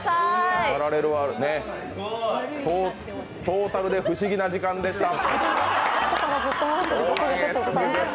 トータルで不思議な時間でした。